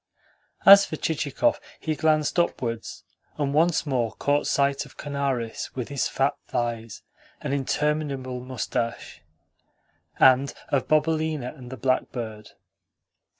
As for Chichikov, he glanced upwards, and once more caught sight of Kanaris with his fat thighs and interminable moustache, and of Bobelina and the blackbird.